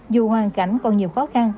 dù hoàn cảnh còn nhiều khó khăn